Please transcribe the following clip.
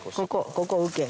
ここ受け？